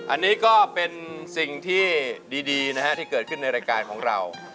อันนี้ก็เป็นสิ่งที่ดีนะฮะที่เกิดขึ้นในรายการของเรา